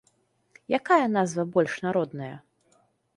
Якая назва больш народная?